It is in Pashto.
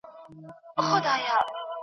تاسي یې وګوری چي له هغه څخه څه راباسی